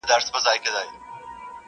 راته زړه ويل چي وځغله پټېږه.!